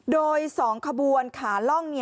โดย๒ขบวนขาล่อง